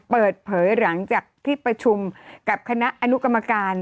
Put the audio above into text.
เปิดเผยหลังจากที่ประชุมกับคณะอนุกรรมการ